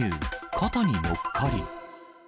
肩に乗っかり。